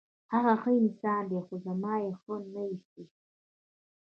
هغه ښه انسان دی، خو زما یې ښه نه ایسي.